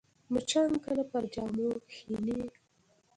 مچان کله پر جامو کښېني